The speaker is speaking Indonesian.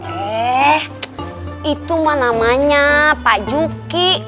eh itu mah namanya pak juki